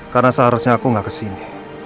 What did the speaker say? karena seharusnya aku nggak kesini